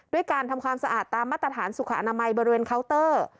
ด้วยการทำความสะอาดตามมาตรฐานสุขอนามัยบริเวณเคาน์เตอร์